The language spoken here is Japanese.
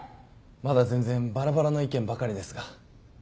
まだ全然バラバラの意見ばかりですが。